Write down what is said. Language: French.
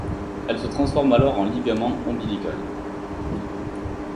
Elle se transforme alors en ligament ombilical.